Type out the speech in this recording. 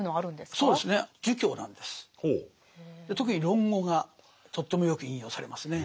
特に「論語」がとってもよく引用されますね